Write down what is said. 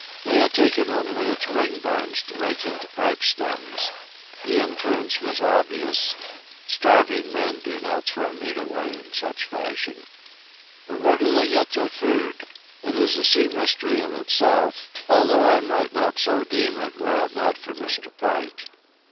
They had taken only its wing bones to make into pipe stems. The inference was obvious: starving men would not throw meat away in such fashion. But where do they get their food? It is a sea mystery in itself, although I might not so deem it were it not for Mr. Pike.